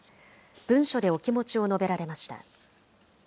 文書でお気持ちを述べられました。